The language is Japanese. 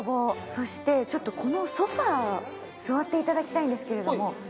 そしてちょっとこのソファ座っていただきたいんですけれども。